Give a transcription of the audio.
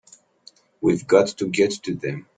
We've got to get to them!